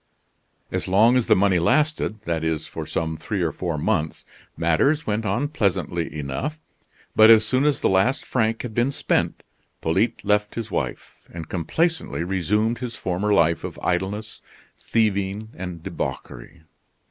As long as the money lasted, that is, for some three or four months, matters went on pleasantly enough. But as soon as the last franc had been spent, Polyte left his wife, and complacently resumed his former life of idleness, thieving, and debauchery.